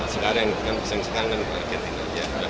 sekarang kan pesan pesan kan argentina